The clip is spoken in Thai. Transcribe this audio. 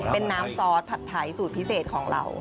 เป็นน้ำซอสผัดไทยสูตรพิเศษของเรา